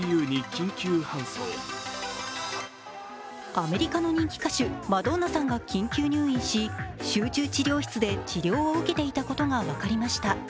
アメリカの人気歌手・マドンナさんが緊急入院し集中治療室で治療を受けていたことが分かりました。